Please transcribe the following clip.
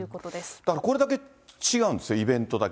だからこれだけ違うんですよ、イベントだけ。